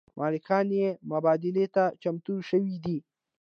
مالکان یې مبادلې ته چمتو شوي دي.